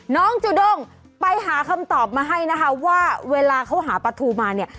จูด้งไปหาคำตอบมาให้นะคะว่าเวลาเขาหาปลาทูมาเนี่ย